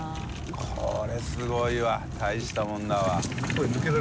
これすごいわ大したもんだわ。